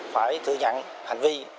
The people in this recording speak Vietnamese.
phải thừa nhận hành vi